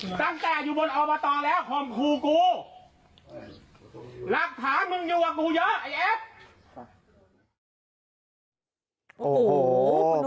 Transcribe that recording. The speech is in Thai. โอ้โฮพูดดูดี